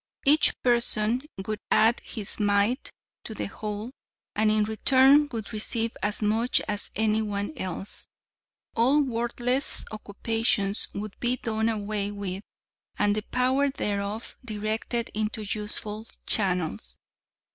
Each person would add his mite to the whole, and in return would receive as much as anyone else. All worthless occupations would be done away with, and the power thereof directed into useful channels.